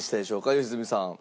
良純さん。